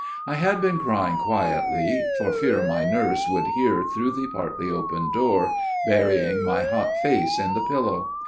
I had been crying quietly, for fear my nurse should hear through the partly opened door, burying my hot face in the pillow.